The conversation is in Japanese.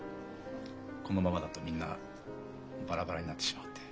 「このままだとみんなバラバラになってしまう」って。